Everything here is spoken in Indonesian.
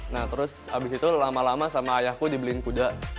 nah terus abis itu lama lama sama ayahku dibeliin kuda